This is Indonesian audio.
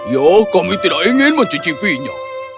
ya kami tidak ingin mencicipinya